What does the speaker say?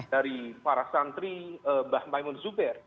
dari para santri mbak maimon zuber